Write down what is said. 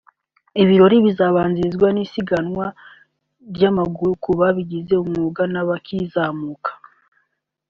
Ibirori bizabanzirizwa n’isiganwa ry’amagare ku babigize umwuga n’abakizamuka